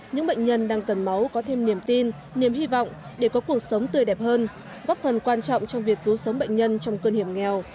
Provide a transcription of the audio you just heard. những bệnh nhân đang cần máu có thêm niềm tin niềm hy vọng để có cuộc sống tươi đẹp hơn góp phần quan trọng trong việc cứu sống bệnh nhân trong cơn hiểm nghèo